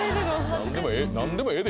何でもええ